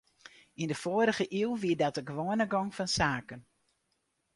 Yn de foarrige iuw wie dat de gewoane gong fan saken.